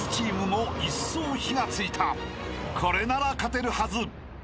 ［これなら勝てるはず！］